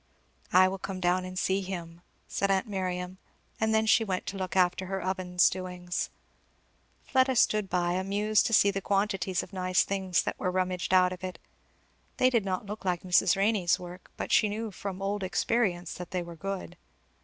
"I will come down and see him," said aunt Miriam; and then she went to look after her oven's doings. Fleda stood by, amused to see the quantities of nice things that were rummaged out of it. They did not look like Mrs. Renney's work, but she knew from old experience that they were good.